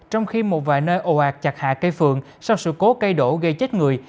trong khi một vài nơi ồ ạc chặt hạ cây phường sau sự cố cây đổ gây chết người